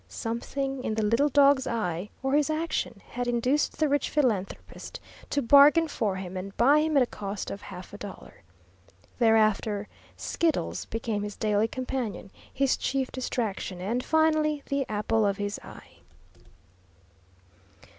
Something in the little dog's eye, or his action, had induced the rich philanthropist to bargain for him and buy him at a cost of half a dollar. Thereafter Skiddles became his daily companion, his chief distraction, and finally the apple of his eye.